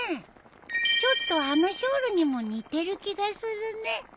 ちょっとあのショールにも似てる気がするね。